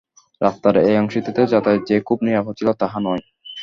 রাস্তার এই অংশটিতে যাতায়াত যে খুব নিরাপদ ছিল, তাহা নয়।